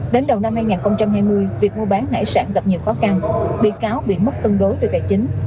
đến đầu năm hai nghìn hai mươi việc mua bán hải sản gặp nhiều khó khăn bị cáo bị mất cân đối về tài chính